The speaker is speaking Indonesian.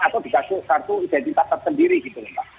atau dikasih satu identitas tersendiri gitu